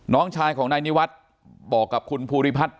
น้องชายของนายนิวัฒน์บอกกับคุณภูริพัฒน์